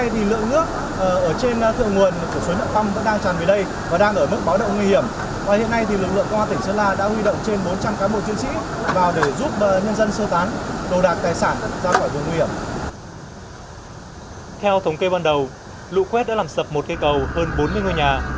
theo thống kê ban đầu lũ quét đã làm sập một cây cầu hơn bốn mươi ngôi nhà